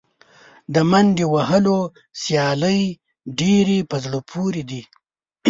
د منډې وهلو سیالۍ ډېرې په زړه پورې دي.